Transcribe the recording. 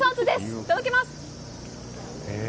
いただきます。